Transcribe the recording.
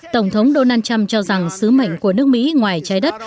tổng thống donald trump cho rằng sứ mệnh của nước mỹ ngoài trái đất